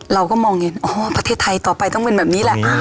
เราก็มองเห็นอ๋อประเทศไทยต่อไปต้องเป็นแบบนี้แหละ